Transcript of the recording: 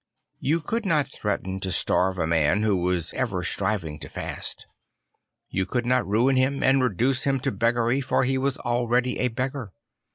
You could not threaten to starve a man who was ever striving to fast. You could not ruin him and reduce him to beggary, for he was already a beggar.